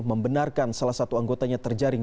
membenarkan salah satu anggotanya terjaring